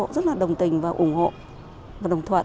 chúng tôi cũng rất đồng tình ủng hộ và đồng thuận